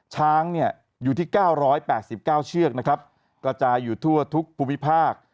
ช้างอยู่ที่๙๘๙เชือกนะครับกระจายอยู่ทั่วทุกภูมิภาค